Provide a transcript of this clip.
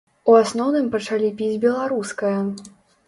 У асноўным пачалі піць беларускае.